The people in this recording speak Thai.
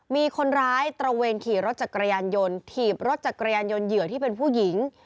มีคนร้ายตระเวนขี่รถจักรยานยนต์ถีบรถจักรยานยนต์เหยื่อที่เป็นผู้หญิง